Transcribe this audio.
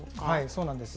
そうなんです。